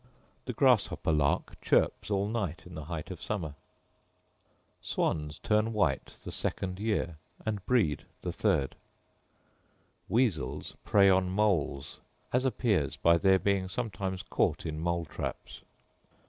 The grasshopper lark chirps all night in the height of summer. Swans turn white the second year, and breed the third. Weasels prey on moles, as appears by their being sometimes caught in mole traps.